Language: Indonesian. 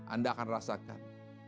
anda akan rasakan